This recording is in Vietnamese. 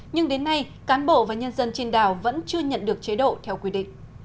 nhưng đến nay cán bộ và nhân dân trên đảo vẫn chưa nhận được chế độ theo quy định